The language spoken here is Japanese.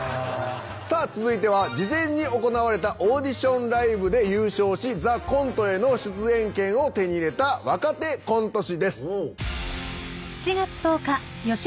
続いては事前に行われたオーディションライブで優勝し『ＴＨＥＣＯＮＴＥ』への出演権を手に入れた若手コント師です。